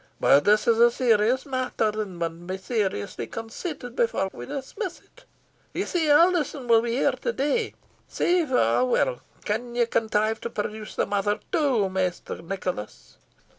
But this is a serious matter, and maun be seriously considered before we dismiss it. You say Alizon will be here to day. Sae far weel. Canna you contrive to produce the mother, too, Maister Nicholas?"